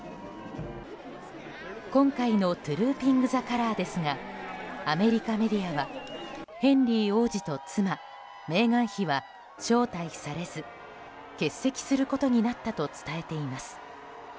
今回のトゥルーピング・ザ・カラーですがアメリカメディアはヘンリー王子と妻メーガン妃は招待されず欠席することになったと伝えています。